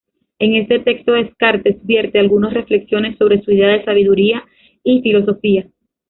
En este texto Descartes vierte algunos reflexiones sobre su idea de sabiduría y filosofía.